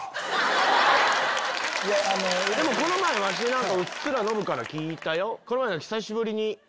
でもこの前ワシうっすらノブから聞いたよ。